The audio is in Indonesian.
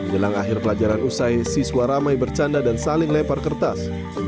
jelang akhir pelajaran usai siswa ramai bercanda dan saling lempar kertas